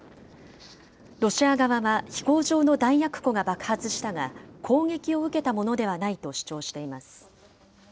ロシア側は飛行場の弾薬庫が爆発したが、攻撃を受けたものではないと主張しています。